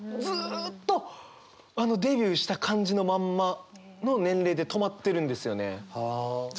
ずっとデビューした感じのまんまの年齢で止まってるんですよね。